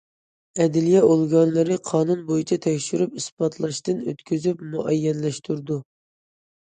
ئەدلىيە ئورگانلىرى قانۇن بويىچە تەكشۈرۈپ ئىسپاتلاشتىن ئۆتكۈزۈپ مۇئەييەنلەشتۈرىدۇ.